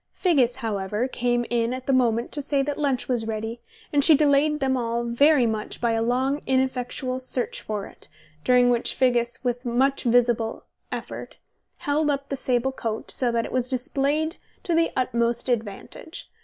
Figgis, however, came in at the moment to say that lunch was ready, and she delayed them all very much by a long, ineffectual search for it, during which Figgis, with a visible effort, held up the sable coat, so that it was displayed to the utmost advantage.